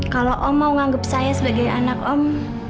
kalau om mau nganggup saya sebagai anak om